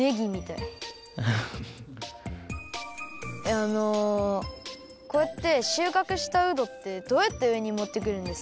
あのこうやってしゅうかくしたうどってどうやってうえにもってくるんですか？